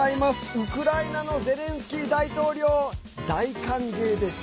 ウクライナのゼレンスキー大統領大歓迎です。